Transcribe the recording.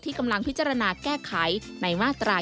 กำลังพิจารณาแก้ไขในมาตรา๑